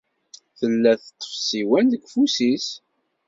Tella teṭṭef ssiwan deg ufus-is.